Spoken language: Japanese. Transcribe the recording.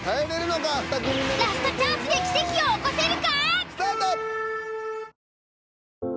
ラストチャンスで奇跡を起こせるか！？